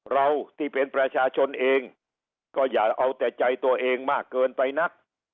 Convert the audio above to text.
เราที่เป็นประชาชนเองก็อย่าเอาแต่ใจตัวเองมากเกินไปนัก